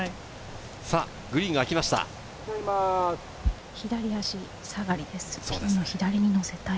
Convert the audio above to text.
グリーンがあきました。